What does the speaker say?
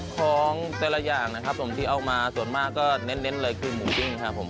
ของแต่ละอย่างนะครับผมที่เอามาส่วนมากก็เน้นเลยคือหมูปิ้งครับผม